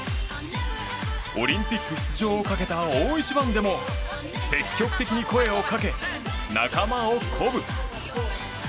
オリンピック出場をかけた大一番でも積極的に声をかけ仲間を鼓舞。